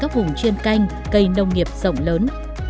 vùng chuyên canh cây nông nghiệp rộng lớn